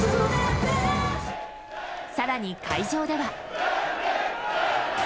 更に、会場では。